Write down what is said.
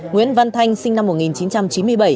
nguyễn văn thanh sinh năm một nghìn chín trăm chín mươi bảy